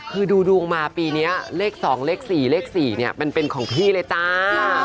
คือดูดวงมาปีนี้เลข๒เลข๔เลข๔เนี่ยมันเป็นของพี่เลยจ้า